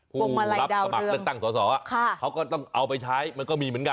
บุงรับทราบตั้งหสเขาก็ต้องเอาไปใช้มันก็มีเหมือนกัน